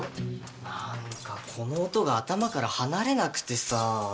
何かこの音が頭から離れなくてさ。